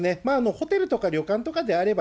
ホテルとか旅館とかであれば、